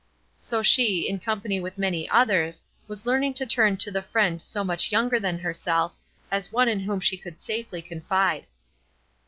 So she, in company with many others, was learning to turn to the friend so much younger than herself, as one in whom she could safely confide.